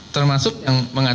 termasuk yang mengatakan